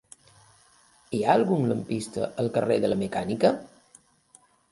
Hi ha algun lampista al carrer de la Mecànica?